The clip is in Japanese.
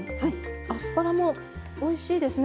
アスパラもおいしいですね